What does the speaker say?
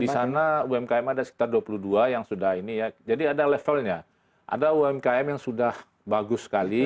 di sana umkm ada sekitar dua puluh dua yang sudah ini ya jadi ada levelnya ada umkm yang sudah bagus sekali